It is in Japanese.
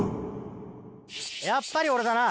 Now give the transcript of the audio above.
やっぱり俺だな。